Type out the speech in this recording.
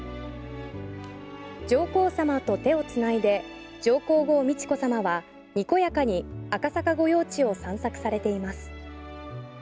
上皇さまと手をつないで上皇后・美智子さまはにこやかに赤坂御用地を散策されています。